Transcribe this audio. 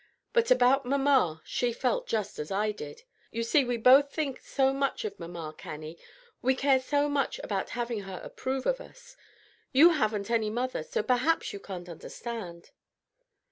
But about mamma, she felt just as I did. You see we both think so much of mamma, Cannie; we care so much about having her approve of us. You haven't any mother; so perhaps you can't understand."